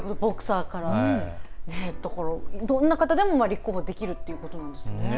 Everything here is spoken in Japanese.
だから、どんな方でも立候補できるということなんですね。